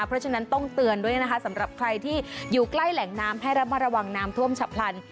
เพราะฉะนั้นต้องเตือนด้วยนะคะสำหรับใครที่อยู่ใกล้แหล่งน้ำให้ระมัดระวังน้ำท่วมฉับพลัน